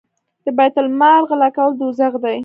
د بیت المال غلا کول دوزخ دی.